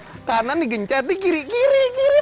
oh kanan digencet ini kiri kiri kiri